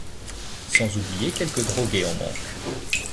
Sans oublier quelques drogués en manque.